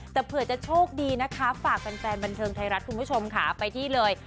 แต่เผื่อจะโชคดีนะคะฝากแฟนบันเทิงไทยรัฐคุณผู้ชมค่ะไปที่เลย